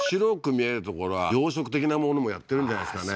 見える所は養殖的なものもやってるんじゃないですかね